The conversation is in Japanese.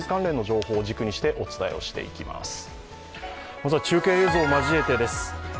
まずは中継映像を交えてです。